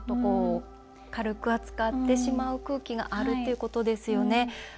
軽く扱ってしまう空気があるということですよね。